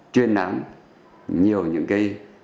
chuyên ám nhiều những cái